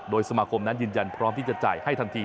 โดยสมาคมนั้นยืนยันพร้อมที่จะจ่ายให้ทันที